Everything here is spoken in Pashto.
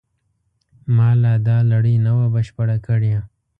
ما لا دا لړۍ نه وه بشپړه کړې.